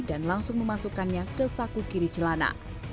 dan langsung memasukkannya ke saku kiri celana